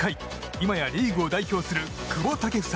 今やリーグを代表する選手です。